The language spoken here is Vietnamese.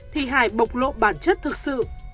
thì hải bộc lộ bản chất thực sự